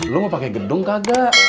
lo mau pake gedung kagak